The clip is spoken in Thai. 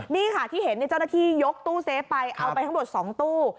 นี่ค่ะที่เห็นเจ้าหน้าที่ยกตู้เซฟไปเอาไปทั้งหมด๒ตู้